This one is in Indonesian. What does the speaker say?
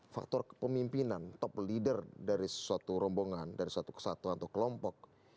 faktor kepemimpinan top leader dari suatu rombongan dari suatu kesatuan atau kelompok